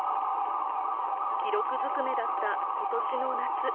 記録ずくめだった今年の夏。